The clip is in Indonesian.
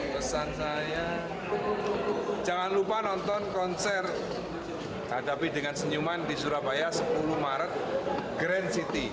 kesan saya jangan lupa nonton konser hadapi dengan senyuman di surabaya sepuluh maret grand city